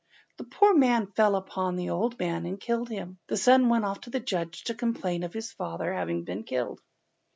The poor man fell upon the old man and killed him, and the son went off to the judge to complain of his father's having been killed.